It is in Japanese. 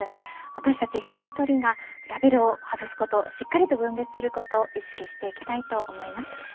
私たち一人一人がラベルを外すことしっかりと分別することを意識していきたいと思います。